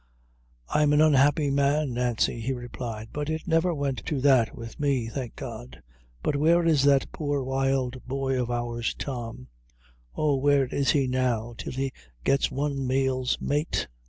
"I'm an unhappy man, Nancy," he replied, "but it never went to that with me, thank God but where is that poor wild boy of ours, Tom, oh, where is he now, till he gets one meal's mate?"